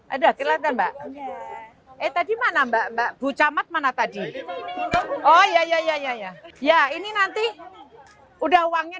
ada kelihatan mbak eh tadi mana mbak mbak bucamat mana tadi oh ya ya ya ya ya ini nanti udah uangnya